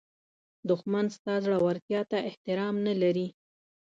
دښمن ستا زړورتیا ته احترام نه لري